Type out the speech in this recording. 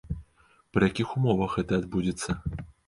Пры якіх умовах гэта адбудзецца.